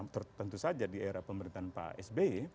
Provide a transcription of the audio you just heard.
tertentu saja di era pemerintahan pak sbe